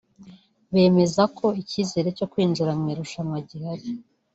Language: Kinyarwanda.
bemeza ko icyizere cyo kwinjira mu irushanwa gihari